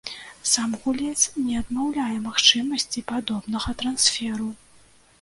Сам гулец не адмаўляе магчымасці падобнага трансферу.